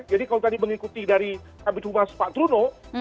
jadi kalau tadi mengikuti dari kabinet rumahs pak truno